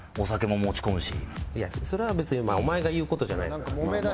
いやそれは別にお前が言う事じゃないから。